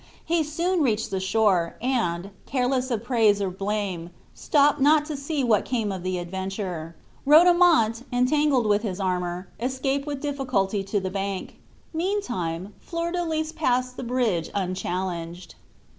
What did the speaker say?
He soon reached the bank, and, careless of praise or blame, stopped not to see what came of the adventure. Rodomont, entangled with his armor, escaped with difficulty to the bank. Meantime, Flordelis passed the bridge unchallenged.